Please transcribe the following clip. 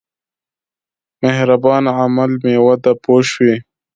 مهربان عمل مېوه ده پوه شوې!.